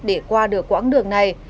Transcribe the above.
để qua được quãng đường này